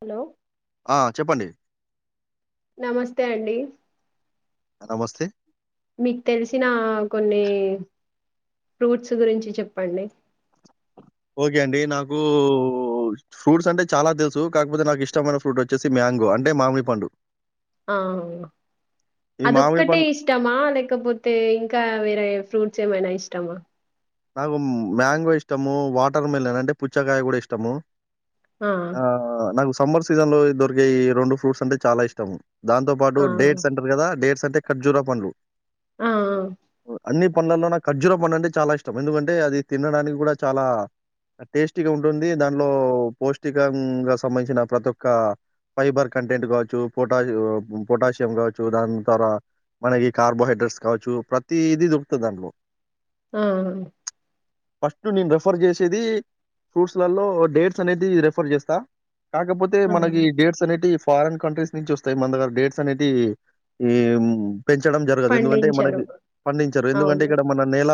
Hello ఆ చెప్పండి. నమస్తే అండి. నమస్తే. మీకు తెలిసిన కొన్ని ఫ్రూట్స్ గురించి చెప్పండి. ఓకే అండి. నాకు ఫ్రూట్స్ అంటే చాలా తెలుసు. కాకపోతే, నాకు ఇష్టమైన ఫ్రూట్ వచ్చేసి మ్యాంగో. అంటే, మామి పండు. ఆ ఈ మామిడి అదొక్కటే పండు ఇష్టమా? లేకపోతే, ఇంకా వేరే ఫ్రూట్ చ్చేమైన ఇష్టమా? నాకు మ్యాంగో ఇష్టము. వాటర్ మిలన్ అంటే, పుచ్చకాయ కూడా ఇష్టము. ఆ నాకు సమ్మర్ సీజన్ లో దొరికే ఈ రొండు ఫ్రూట్స్ అంటే చాలా ఇష్టము. దాంతో పాటు ఆ డేట్స్ అంటారు కదా, డేట్స్ అంటే ఖర్జూర పండ్లు. ఆ ఆ అన్ని పన్లల్లో నాకు ఖర్జూర పన్ను అంటే చాలా ఇష్టం. ఎందుకంటే, అది తినడానికి కూడ చాలా టేస్టీగా ఉంటుంది. దానిలో పౌష్టికంగా సంబంధించిన ప్రతి ఒక్క ఫైబర్ కంటెంట్ కావచ్చు, పొటాష్, పొటాషియం కావచ్చు, దాని త్వార మనకి కార్బోహైడ్రేట్స్ కావచ్చు, ప్రతీది దొరుకుతది దాంట్లో. ఆ ఫస్ట్ నేను రెఫర్ చేసేది ఫ్రూట్స్లలో డేట్స్ అనేది రెఫర్ చేస్తా. కాకపోతే ఆ మనకి డేట్స్ అనేటివి, ఫారిన్ కంట్రీస్ నుంచి వస్తాయి. మన దగ్గర డేట్స్ అనేటివి ఈ మ్ పెంచడం జరగదు. ఎందుకంటే, పండించారు మనకి, పండించరు ఎందుకంటే అవును ఇక్కడ మన నేల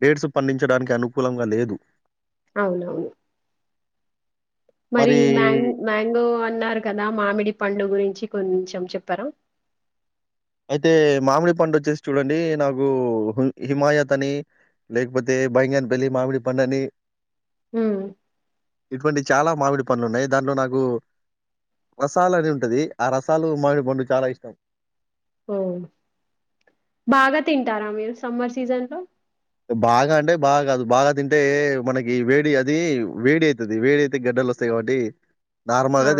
డేట్స్ పండించడానికి అనుకూలంగా లేదు. అవునవును. మరి మ్యాంగ్ మ్యాంగో అన్నారు కదా మామిడి పండు గురించి కొన్చం చెప్పరా! అయితే మామిడి పండు వచ్చేసి చూడండి నాకు హిమాయత్ అని లేకపోతే, భైంగాన్ పళ్లి మామిడి పండని మ్ ఇటువంటి చాలా మామిడి పండ్లున్నాయి. దాంట్లో నాకు వసాలు అని ఉంటది ఆ రసాలు మావిడి పండు చాలా ఇష్టం. ఓ బాగా తింటారా మీరు సమ్మర్ సీజన్ లో? బాగా అంటే బాగా కాదు. బాగా తింటే మనకి వేడి. అది వేడి అయితది. వేడి అయితే గడ్డలొస్తాయి. ఎవడి ఆహ,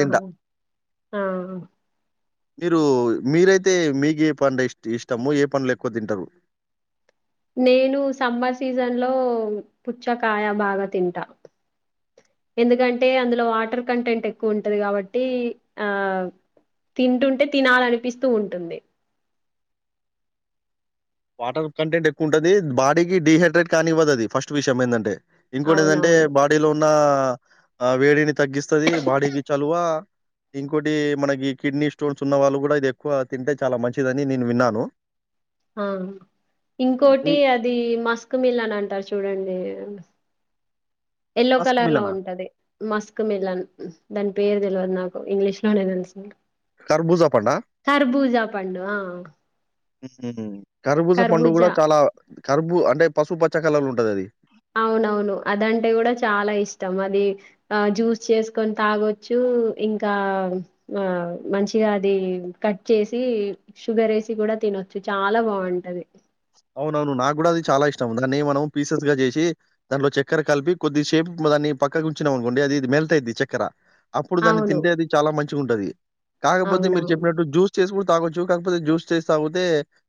ఆ. మీరు మీరైతే మీకు ఏ పంట ఇ ఇష్టము ఏ పండ్లు ఎక్కువ తింటరు? నేను సమ్మర్ సీజన్ లో పుచ్చకాయ బాగా తింటా. ఎందుకంటే, అందులో వాటర్ కంటెంట్ ఎక్కువ ఉంటది కాబట్టి ఆ తింటుంటే, తినాలనిపిస్తూ ఉంటుంది. వాటర్ కంటెంట్ ఎక్కువ ఉంటది. బాడీకి డిహైడ్రేట్ కానివ్వదు అది ఫస్ట్ విషయం ఏంటంటే! ఇంకోటి ఏదంటే అవునవును. బాడీలో ఉన్న వేడిని తగ్గిస్తది. బాడీకి చలువ. ఇంకోటి మనకి కిడ్నీ స్టోన్స్ ఉన్న వాళ్ళు కూడా ఇది ఎక్కువ తింటే చాలా మంచిదని నేను విన్నాను. ఆ ఇంకోటి ఇది అది మస్క్మిల్ అని అంటారు చూడండి ఎల్లో మస్క్ కలర్ లో మిలనా? ఉంటది మస్క్ మిలన్ దాని పేరు తెలవదు నాక్ ఇంగ్లీష్ లోనే తెలుసు నాకు కర్బూజా పండా? కార్బూజ పండు ఉమ్ కర్బూజ పండు కర్బూజా. కూడా చాలా కరుబు అంటే పశు పచ్చ కలర్లో ఉంటది అది అవునవును అదంటే కూడా చాలా ఇష్టం అది ఆ జ్యూస్ చేసుకొని తాగొచ్చు ఉమ్ ఇంకా మంచిగా అది కట్ చేసి షుగర్ వేసి కూడా డా తినొచ్చు చాలా బాగుంటది అవునవును నాకు కూడా అది చాలా ఇష్టం దాన్ని మనం పీసెస్ గా చేసి దాంలో చక్కెర కలిపి కొద్ది షేప్ దాన్ని పక్క గుంచినం అనుకోండి అది ఇ మెల్తాద్ది చెక్కర అప్పుడు దాన్ని అవును. తింటే అది చాలా మంచిగా ఉంటది కాకపోతే మీరు అవునవును. చెప్పినట్టు జ్యూస్ చేసుక తాగొచ్చు కాకపోతే జ్యూస్ చేసి తాగితే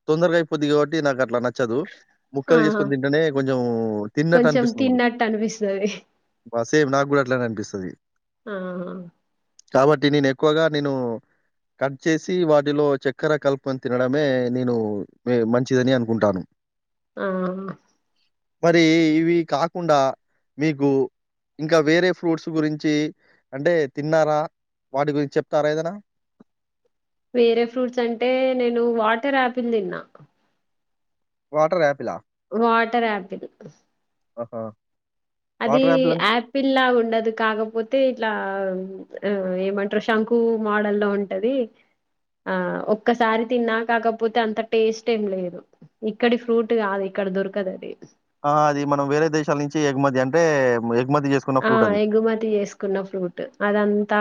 తొందరగా అయిపోద్ది కాబట్టి నాకు అట్లా నచ్చదు ముక్కలు ఆహా! చేసుకొని తింటేనే కొంచెం తిన్నట్టు కొంచెం అనిపిస్తుంది మనకి తిన్నట్టనిపిస్తది. బ సేమ్ నాకు కూడా అట్లానే అనిపిస్తుంది ఆ కాబట్టి నేను ఎక్కువగా నేను కట్ చేసి వాటిలో చక్కెర కలుపుని తినడమే నేను మం చ్చిదని అనుకుంటాను ఆ మరి ఇవి కాకుండా మీకు ఇంకా వేరే ఫ్రూట్స్ గురించి అంటే తిన్నారా వాటి గురించి చెప్తారా ఏదైనా వేరే ఫ్రూట్స్ అంటే నేను వాటర్ ఆపిల్ తిన్నా వాటర్ ఆపిలా వాటర్ ఆపిల్ ఆహా అది వాటర్ యాపిల్ అన్ ఆపిల్ లా ఉండదు కాకపోతే ఇట్లా ఆ ఆ ఏమంటారు శంకు మోడల్ల్లో ఉంటది ఆ ఒక్కసారి తిన్నా కాకపోతే అంత టేస్ట్ ఏం లేదు ఇక్కడి ఫ్రూట్ కాదు ఇ ఇక్కడ దొర్కదది ఆ అది మనం వేరే దేశాల నుంచి ఎగుమతి అంటే ఎగుమతి చేసుకున్న ఆ ఫ్రూట్ అది. ఎగుమతి చేసుకున్న ఫ్రూట్ అదం తా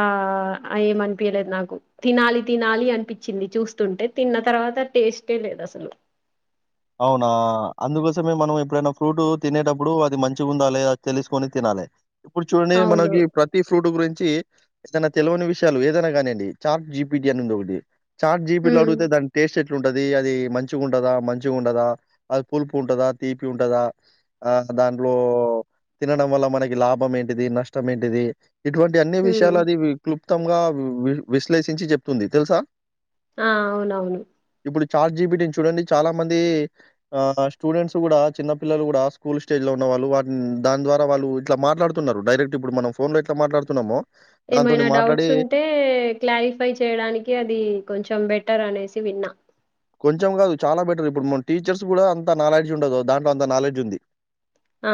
ఏం అనిపియలేదు నాకు తినాలి తినాలి అనిపించింది చూస్తుంటే తిన్న తర్వాత టెస్ట్ లేదాసలు అవునా అందుకోసమే మనం ఎప్పుడైనా ఫ్రూట్ తినేటప్పుడు అది మంచిగా ఉందా లేదా అది తెలుసుకొని తినాలే ఇప్పుడు చూడండి అవును మనకి ప్రతి ఫ్రూట్ గురించి చి ఏదైనా తెలియని విషయాలు ఏదైనా కానీయండి చార్ట్జీపిటి అని ఉంది ఒకటి చాట్ జబీటి లో ఉమ్ అడిగితే దాని టేస్ట్ ఎట్లుంటది అది మంచిగా ఉంటదా మంచి ఉండాదా అ పులుపు ఉంటదా తీపి ఉంటదా ఆ దాంట్లో తినడం వల్ల మనకి లాభం ఏంటిది నష్టం ఏంటిది ఇటువంటి అన్ని ఉమ్ విషయాలు అది వి కలుప్తంగా వి విశ్లేషించి చెప్తుంది తెలుసా ఆ అవునవును ఇప్పుడు చాట్ జీబీనటిని చూడండి చాలా మంది స్టూడెంట్స్ కూడా చిన్న పిల్లలు కూడా స్కూల్ స్టేజ్ లో ఉన్న వాళ్ళు వా దాని ద్వారా వాళ్ ఇట్లా మాట్లాడుతున్నారు డైరెక్ట్ ఇప్పుడు మనం ఫోన్ లో ఎట్లా మాట్లాడుతున్నామో ఏమైనా దాంతోని మాట్లాడి డౌట్స్ ఉంటే క్లారిఫై చేయడానికి అది కొంచెం బెటర్ అనేసి విన్నా కొంచెం కాదు చాలా బెటర్ ఇప్పుడు మన టీచర్స్ కూడా అంత నాలెడ్జ్ ఉండదు దాంట్లో అంత నాలెడ్జ్ ఉంది ఆ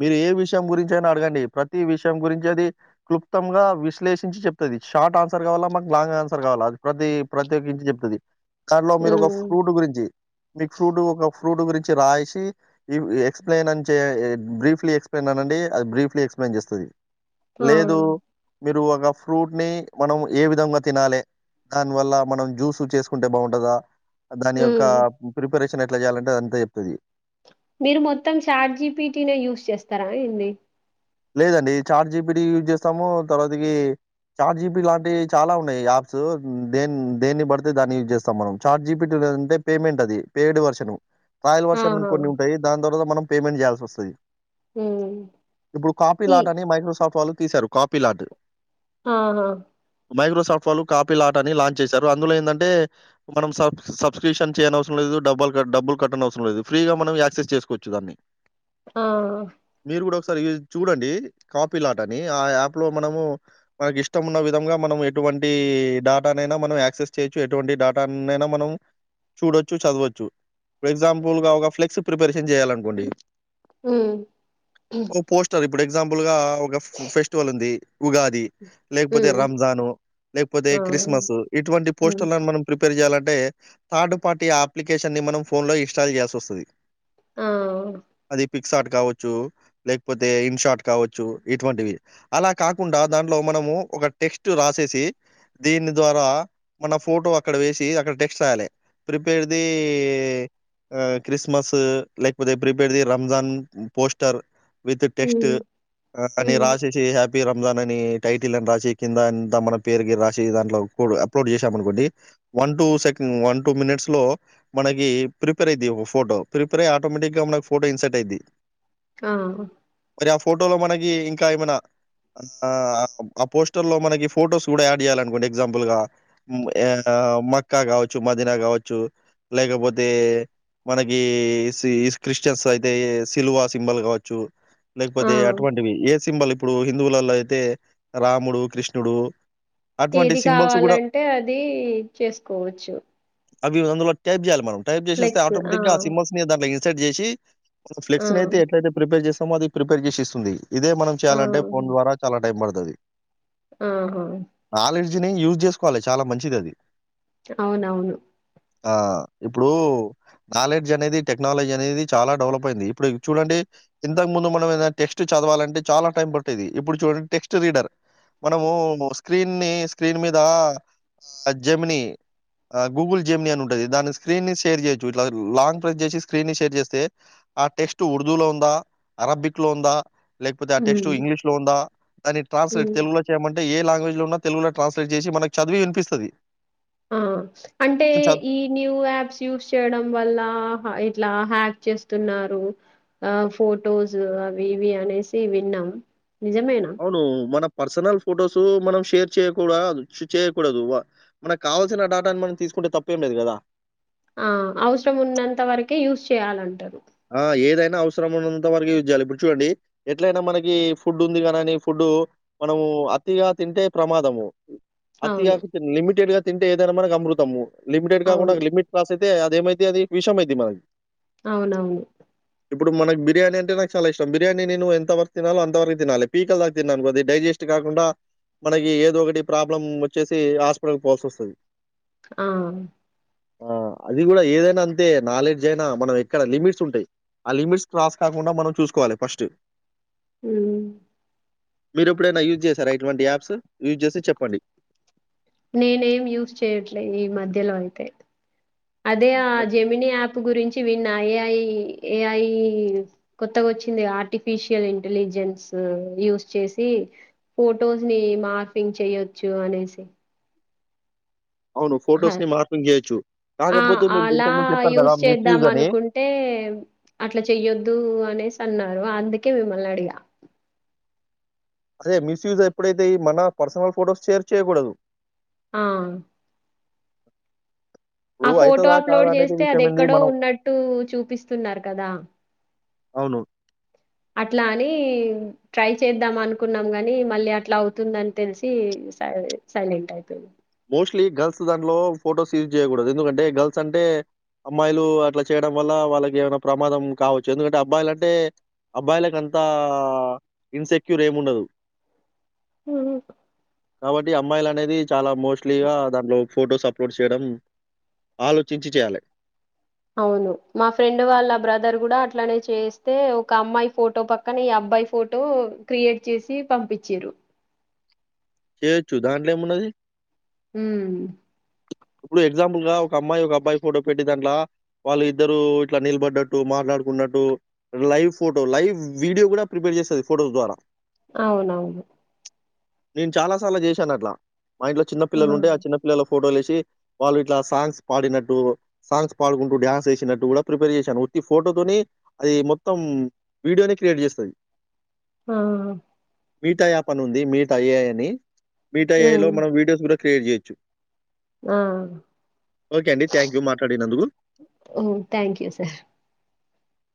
మీరు ఏ విషయం గురించి అయినా అడగండి ప్రతి విషయం గురించి అది క్లుప్తంగా విశ్లేషించి చెప్తుంది షార్ట్ ఆన్సర్ కావాలా మాకు లాంగ్ ఆన్సర్ కావాలా అది ప్రతి ప్రతి ఒక్కంచి చెప్తుంది కనిలో మీరు ఒక ఉమ్ ఫ్రూట్ గురించి మీకు ఫ్రూట్ ఒక ఫ్రూట్ గురించి రాసి ఎక్స్ప్లెయిన్ అని చె బ్రీఫ్లీ ఎక్స్ప్లెయిన్ అండి అది బ్రీ ఎస్ప్లెయిన్ చేస్తుంది ఆ మీరు ఒక ఫ్రూట్ ని మనం ఏ విధంగా తినాలి దాని వల్ల మనం జ్యూస్ చేసుకుంటే బాగుంటుంది ఉంటదా దాని ఉమ్ యొక్క ప్రిపరేషన్ ఎట్లా చేయాలంటే అదంతా చెప్తుంది మీరు మొత్తం చార్ట్ జీపిటిటీనే యూస్ చేస్తారా ఏంది లేదండి చాట్ జీపిట్టి యూజ్ చేస్తాము తర్వాతకి చాట్ జీపిట్టి లాంటివి చాలా ఉన్నాయి యాప్స్ దే దేన్ని పడితే దాన్ని యూజ్ చేస్తాం మనం చాట్ జీపిట్టి అంతే పమెంట్ అది పెయిడ్ వెర్షన్ స్థయిల్ వర్షన్ ఆహా కొన్ని ఉంటాయి దాని తర్వాత మనం పేమెంట్ చేయాల్సి వస్తుంది హ ఇప్పుడు కాపీలాట్ అని మైక్రోసాఫ్ట్ వాళ్ళు తీశారు కాపీలాట్ ఆహా మైక్రోసఫట్ వాళ్ళు కాపీ లాట్ అని లాంచ్ చేశారు అందులో ఏంటంటే మనం స సబ్స్క్రిప్షన్ చేయన అవసరం లేదు డబ్ల్ డబులు కట్ట అవసం లేదు ఫ్రీగా మనం యాక్సెస్ చేకోచ్చు దాన్ని ఆ ఒక సారి చూడండి కాపీ లాట్ అని ఆ యాప్ లో మనము మనకి ఇష్టం ఉన్న విధంగా మనం ఎటు ఎటువంటి డడాటానైనా మనం యాక్సెస్ చేయొచ్చు ఎటువంటి డేటానైనా మనం చూడొచ్చు చదవచ్చు ఫర్ ఎగ్జాంపుల్ గా ఒక ఫ్లెక్స్ ప్రిపరేషన్ చేయాలినుకోండి ఉమ్మ్ ఓ పోస్టర్ ఇప్పుడు ఎగ్జాంపుల్ గా ఒక ఫెస్టివల్ ఉంది ఉగాది లేకపోతే ఉమ్ రంజాను లేకపోతే ఆ క్రిస్మస్ ఇటువంటి ఉమ్ పోస్టర్లను మనం ప్రిప పేర్ చేయాలంటే థర్డ్ పార్టీ ఆ అప్లికేషన్ ని మనం ఫోన్ లో ఇన్స్టాల్ చేసి వస్తుంది ఆ పిక్సార్ట్ కావచ్చు లేకపోతే ఇన్ షార్ట్ కావచ్చు ఇటువంటివి అలా కాకుండా దాంట్లో మనము ఒక టెక్స్ట్ రాసి చేసి దీని ద్వారా మన ఫోటో అక్కడ వేసి అక్కడ టెక్స్ట్ అయ్యాలి ప్రిపేర్ది ఆ క్రిస్మస్ లేకపోతే ప్రీపేర్ది రంజాన్ పోస్టర్ విత్ టెస్ట్ ఉమ్ అని ఉమ్ రాసేసి హ్యాపీ హ్యాపీ రంజాన్ అని టైటిల్ అని రాసి కింద అంత మన పేరు గ రాసి దాంట్లో అప్లోడ్ చేసామ అనుకోండి one two second one two minutes లో మనకి ప్రిపేర్ అయిది ఒక ఫోటో ప్రిపేర్ అయి ఆటోమేటిక్ మ ఫోటో ఇన్సెట్ అయిది ఆ మరి ఆ ఫోటోలో మనకి ఇంకా ఏమైనా ఆ ఆ పోస్టర్ లో మనకి ఫొటోస్ కూడా యాడ్ చేయాల అనుకోండి ఎగ్జాంపుల్ గా ఆ మక్కా కావచ్చు మదనా కావచ్చు లేకపోతే మనకి క్రిస్టియన్స్ అయితే సిల్వా సింబల్ గావచ్చు చ్చు ఆ లేకపోతే అటువంటివి ఏ సింబల్ ఇప్పుడు హిందువులలో అయితే రాముడు కృష్ణుడు అటువంటి ఏది సింబల్స్ గూడా కావాలంటే అది చేసుకోవచ్చు అవి అందులో టైప్ చేయాలి మనం టైప్ చేసస్తే ఆటోమేటిక్ గా ఆ సింబల్స్ ని దాట్లో ఇన్సర్ట్ చేసి ఆ ఫ్లెస్ అయితే ఎట్లయితే ప్రిపేర్ చేస్తా అది ప్రిపేర్ చేసిస్తుంది ఇదే మనం ఆ చేయాలంటే ఫోన్ ద్వార చాలా టైమ్ పడ్తది ఆహా ని యూజ్ చేసుకోవాలి చాలా మంచిది అది అవునవును ఆ ఇప్పుడు నాలెడ్జ్ అనేది టెక్నాలజీ అనేది చాలా డెవలప్ అయింది ఇప్పుడు చూడండి ఇంతకు ముందు మనం ఏదనా టెక్స్ట్ చదవాలంటే చాలా టైం పట్టేది ఇప్పుడు చూడండి టెక్స్ట్ రీడర్ మనము స్క్రీన్ ని స్క్రీన్ మీద ఆ జెమిని ఆ గూగుల్ జేమ్ని అని ఉంటుది దాన్ని స్క్రీన్ ని షేర్ చేయచ్చు ఇట్ లాంగ్ ప్రై చేసి స్క్రీన్ ని షేర్ చేస్తే ఆ టెక్స్ట్ ఉర్దూ లో ఉందా అరబిక్ లో ఉందా లేకపోతే ఆ టెక్స్ట్ ఉమ్ ఇంగ్లీష్ లో ఉందా దాన్ని ట్రాన్స్లేట్ ఉమ్ తెలుగులో చేయమంటే ఏ లాంగ్వేజ్ లో ఉన్నా తెలుగులో ట్రాన్స్లేట్ చేసి మనకు చదివి వినిపిస్తది ఆ అంటే మనం చ ఈ న్యూ యాప్స్ యూస్ చేయడం వల్ల ఇట్లా హ్యాక్ చేస్తున్నారు ఆ ఫొటోస్ అవి ఇవి అనేసి విన్నాం నిజమేనా అవును మనమ్ పర్సనల్ ఫొటోస్ మనం షేర్ చేయకూడ చేయకూడదు మనకు కావల్సిన డాటాని మనం తీసు ఇప్పుంటే తప్పు ఏం లేదు కదా ఆ అవసరం ఉన్నంత వరకే యూస్ చేయాలంటారు ఆ ఏదైనా అవసరం ఉన్నంత వరకు యూస్ చేయాలి ఇప్పుడు చూడండి ఎట్లయినా మనకి ఫుడ్ ఉంది కానిని ఫుడ్ ఇప్పుడు మనము అతిగా తింటే ప్రమాదము అతిగా అవును. తిన్ లిమిటెడ్ గా తింటే ఏదైనా మనకి అమ్రుతాము లిమిటెడ్ గాకుండా అవును. లిమిట్ క్రాస్ అయితే దేమైంది అది విషం అయింది మాకు అవునవును ఇప్పుడు మనకు బిర్యానీ అంటే నాకు చాలా ఇష్టం బిర్యానీ నేను ఎంతవరకు తినాలో అంతరకు తినాలి పీకలుదాక తిన్నా అనుకో అది డైజస్ట్ కాకుండా మనకి ఏదో ఒకటి ప్రాబ్లం వచ్చేసి హాస్పిటల్ పోవాల్సి వస్తది ఆ ఆ అది కూడా ఏదైనా అంతే నాలెడ్జ్ అయినా మనం ఇక్కడ లిమిట్స్ ఉంటాయి ఆ లిమిట్స్ క్రాస్ కాకుండా మనం చూసుకోవాలి ఫస్ట్ ఉ మీరు ఎప్పుడైనా యూజ్ చేశారా ఇటువంటి యాప్స్ యూజ్ చేసి చెప్పండి నేనేం యూస్ చేయట్లేదు ఈ మధ్యలో అయితే అదే ఆ మ జెమిని యాప్ గురించి విన్న ఏఐ ఏఐ కొత్తగా వచ్చింది ఆర్టిఫిషియల్ ఇంటెలి జెంస్ యూస్ చేసి ఫొటోస్ ని మార్ఫింగ్ చెయొచ్చు అనేసి అవును. అహ ఫోటోస్‌ని మార్ఫింగ్ జేయొచ్చు. ఆ కాకపోతే మీరు అలా ఇంతకుముందు చెప్పారు కదా! యూస్ మిస్‌యూజ్ చేద్దాం అని. అనుకుంటే ఏం అట్లా చెయ్యొద్దు అనేసి అన్నారు అందుకే మిమ్మల్ని అడిగా అదే మిస్యూజ్ ఎప్పుడైతే మన పర్సనల్ ఫొటోస్ షేర్ చేయకూడదు ఆ ఆ ఇప్పుడు ఫోటో అయితదా? కాదా? అప్లోడ్ అనేది చేస్తే అది విషయం ఏంది ఎక్కడో మనం ఉన్నట్టు చూపిస్తున్నారు కదా అవును అట్లా అని ట్రై చేద్దాం అనుకున్నాం కాని మళ్ళీ అట్లా అవుతుందని తెలిసి సయి సైలెంట్ అయిపోయిన మోస్ట్లీ గర్ల్స్ దాంట్లో ఫొటోస్ యూజ్ చేయకూడదు ఎందుకంటే గర్ల్స్ అంటే అమ్మాయిలు అట్లా చేయడం వల్ల వాళ్ళకి ఏమైనా ప్రమాదం కావచ్చు ఎందుకంటే అబ్బాయిలు అంటే అబ్బాయిలకంతా ఇన్సెక్యూర్ ఏము ఉండదు అ ఈ అమ్మాయిలు అనేది చాలా మోస్ట్లీ గా దాంట్లో ఫొటోస్ అప్లోడ్ చేయడం ఆలోచించి చేయాలే అవును మా ఫ్రెండ్ వాళ్ళ బ్రదర్ కూడా అట్లానే చేస్తే ఒక అమ్మాయి ఫోటో పక్కన ఈ అబ్ బాయ్ ఫోటో క్రియేట్ చేసి పంపించిరు చేయొచ్చు దాంట్ల ఏమున్నది ఉ ఇప్పుడు ఎగ్జాంపుల్ గా ఒక అమ్మాయి ఒక అబ్బాయి ఫోటో పెట్టి దంట్లా వాళ్ళ ఇద్దరు ఇట్లా నిలబడ్డట్టు మార్ మాట్లాడుకున్నట్టు లైవ్ ఫోటో లైవ్ వీడియో కూడా ప్రిపేర్ చేస్తది ఫోటోస్ ద్వారా అవునవును నేను చాలా సాలు చేశాను అట్లా మా ఇంట్లో చిన్న పిల్లలు ఉంటే ఆ చిన్న పిల్లలు ఫోటోలు వేసి వాళ్ళు ఇట్లా సాంగ్స్ పాడినట్టు సాంగ్స్ పాడుకుంటూ డ్యాన్స్ వేసినట్టు కూడా ప్రిపేర్ చేసాను ప్ర ఫోటోతోని అది మొత్తం వీడియోని క్రియేట్ చేస్తుంది ఆ మీట యాప్ అని ఉంది మీట్ ఐఐ అని మీట్ ఐఐ లో ఉమ్ మనం వీడియోస్ కూడా క్రియేట్ చేయొచ్చు ఆ అండి. థ్యాంక్ యూ మాట్లాడినందుకు. మ్మ్ థ్యాంక్ యూ సార్